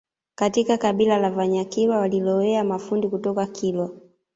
Katika kabila la Vanyakilwa walilowea mafundi kutoka kilwa